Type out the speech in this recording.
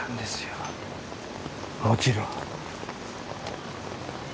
もちろん。